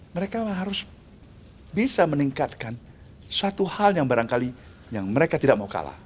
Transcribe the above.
mereka harus bisa meningkatkan satu hal yang barangkali yang mereka tidak mau kalah